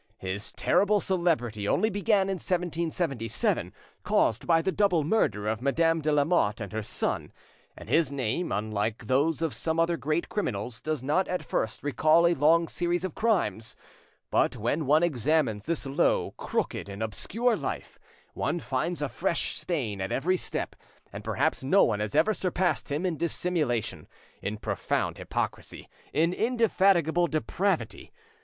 His terrible celebrity only began in 1777, caused by the double murder of Madame de Lamotte and her son, and his name, unlike those of some other great criminals, does not at first recall a long series of crimes, but when one examines this low, crooked, and obscure life, one finds a fresh stain at every step, and perhaps no one has ever surpassed him in dissimulation, in profound hypocrisy, in indefatigable depravity.